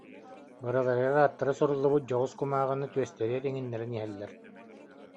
Барыларыгар ааттара суруллубут дьоҕус кумааҕыны түөстэригэр иҥиннэрэн иһэллэр